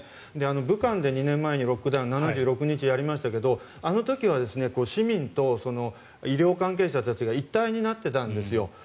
武漢で２年前にロックダウン７６日やりましたけどあの時は市民と医療関係者たちが一体になってたんですよ。